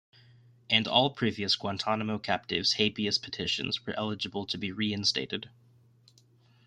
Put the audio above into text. And all previous Guantanamo captives' habeas petitions were eligible to be re-instated.